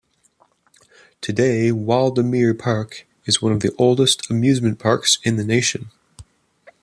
Today Waldameer Park is one of the oldest amusement parks in the nation.